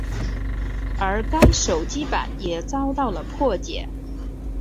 而该手机版也遭到了破解。